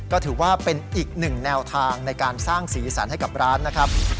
ก็ถือว่าเป็นอีกหนึ่งแนวทางในการสร้างสีสันให้กับร้านนะครับ